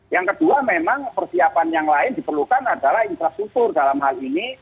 yang kedua memang persiapan yang lain diperlukan adalah infrastruktur dalam hal ini